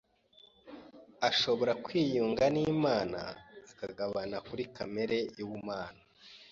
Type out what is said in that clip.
ashobora kwiyunga n’Imana, akagabana kuri kamere y’ubumana